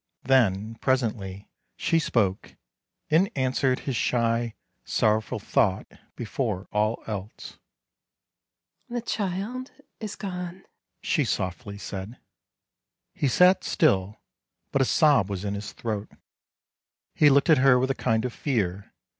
Then, presently, she spoke, and answered his shy, sor rowful thought before all else. " The child is gone," she softly said. He sat still, but a sob was in his throat. He looked at her with a kind of fear.